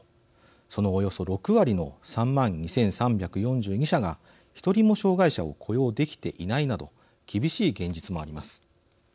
そのおよそ６割の３万２，３４２社が１人も障害者を雇用できていないなど厳しい現実もあります。